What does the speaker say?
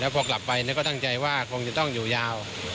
พอกลับไปก็ตั้งใจว่าคงจะต้องอยู่ยาว